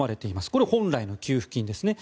これは本来の給付金ですね。